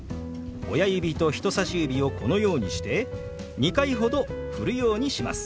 親指と人さし指をこのようにして２回ほどふるようにします。